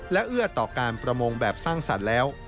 และเอื้อต่อการประมงแบบสร้างสรรค์แล้ว